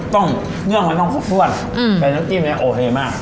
เรื่องมันต้องครบถ้วนแต่น้ำจิ้มเนี่ยโอเคมาก